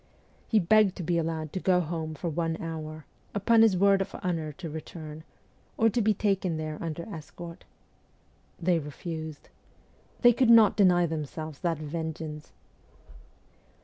He begged to be allowed to go home for one hour, upon his word of honour to return, or to be taken there under escort. They refused. They could not deny themselves that vengeance.